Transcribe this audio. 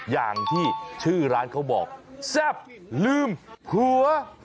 อย่างที่ชื่อร้านเขาบอกแซ่บลืมหัว